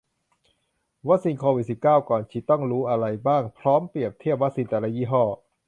วัคซีนโควิด สิบเก้า ก่อนฉีดต้องรู้อะไรบ้าง พร้อมเปรียบเทียบวัคซีนแต่ละยี่ห้อ